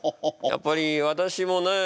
やっぱり私もねえ